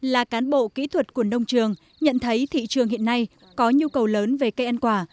là cán bộ kỹ thuật quần nông trường nhận thấy thị trường hiện nay có nhu cầu lớn về cây ăn quả